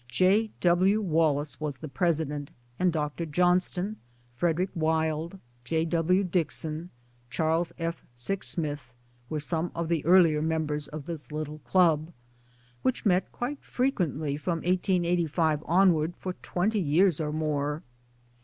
J. W. Wallace was the president, and Dr. Johnston, Fred. Wild, J. W. Dixon, Charles F. Sixsmith, were some of the earlier members of this little club, which met quite fre quently from 1885 onward for twenty years or more.